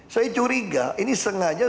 saya curiga ini sengaja